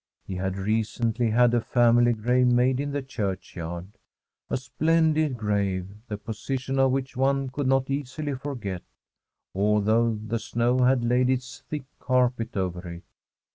He had recently had a family grave made in the churchyard — a splendid grave, the position of which one could not easily forget, although the snow had laid its thinck carpet over it.